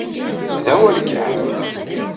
D asawal kan.